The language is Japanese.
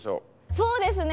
そうですね。